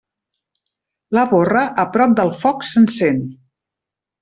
La borra a prop del foc s'encén.